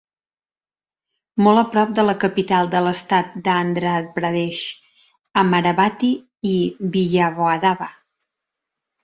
Molt a prop de la capital de l'estat d'Andhra Pradesh, Amaravathi, i vijayawada.